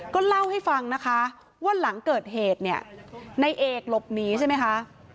ก็เล่าให้ฟังนะคะว่าหลังเกิดเหตุเนี่ยในเอกหลบหนีใช่ไหมคะ